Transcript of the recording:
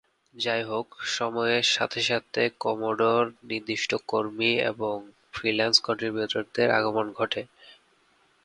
যাইহোক, সময়ের সাথে সাথে কমোডর-নির্দিষ্ট কর্মী এবং ফ্রিল্যান্স কন্ট্রিবিউটরদের আগমন ঘটে।